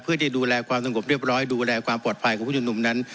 เพื่อที่ดูแลความสงบเรียบร้อยดูแลความปลอดภัยของผู้ชมนุมนั้น